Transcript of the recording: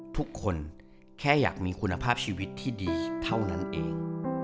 ทุกคนแค่อยากมีคุณภาพชีวิตที่ดีเท่านั้นเอง